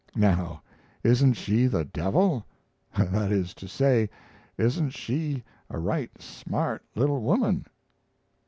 Now isn't she the devil? That is to say, isn't she a right smart little woman?